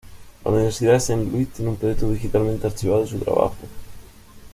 La Universidad de Saint Louis tiene un proyecto digitalmente archivado de su trabajo.